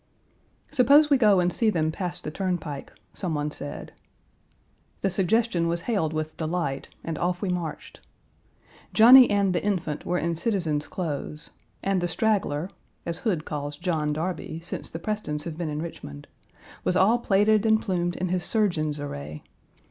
"Suppose we go and see them pass the turnpike," some one said. The suggestion was hailed with delight, and off we marched. Johnny and the Infant were in citizens' clothes, and the Straggler as Hood calls John Darby, since the Prestons have been in Richmond was all plaided and plumed in his surgeon's array.